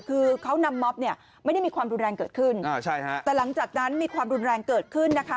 คือเขานำม็อบเนี่ยไม่ได้มีความรุนแรงเกิดขึ้นอ่าใช่ฮะแต่หลังจากนั้นมีความรุนแรงเกิดขึ้นนะคะ